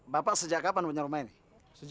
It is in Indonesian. bapak sejak kapan punya rumah ini